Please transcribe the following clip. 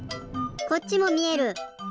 こっちもみえる！